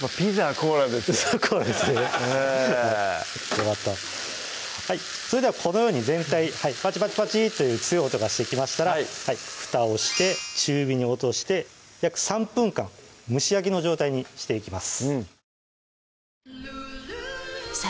コーラですねよかったそれではこのように全体パチパチパチッという強い音がしてきましたら蓋をして中火に落として約３分間蒸し焼きの状態にしていきます